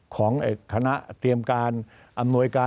ของคณะเตรียมการอำนวยการ